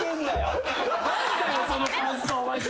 何だよその感想マジで。